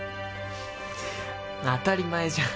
当たり前じゃん。